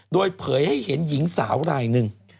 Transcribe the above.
โดยเผยให้เห็นหญิงสาวรายหนึ่ง